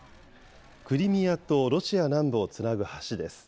クリミアとロシア南部をつなぐ橋です。